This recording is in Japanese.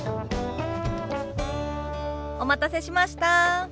お待たせしました。